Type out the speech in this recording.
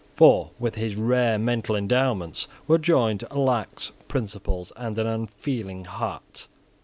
For with his rare mental endowments were joined lax principles and an unfeeling heart.